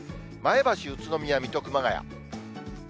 前橋、宇都宮、水戸、熊谷。